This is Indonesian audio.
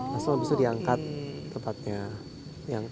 langsung habis itu diangkat tempatnya